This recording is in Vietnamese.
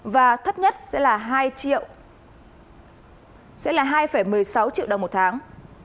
và thấp nhất là hai một mươi sáu triệu đồng một tháng